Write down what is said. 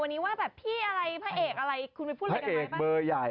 วันนี้ว่าแบบพี่อะไรพระเอกอะไร